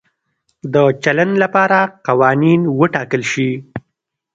د چلند لپاره قوانین وټاکل شي.